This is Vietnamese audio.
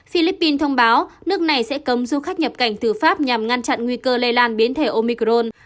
philippines thông báo nước này sẽ cấm du khách nhập cảnh từ pháp nhằm ngăn chặn nguy cơ lây lan biến thể omicron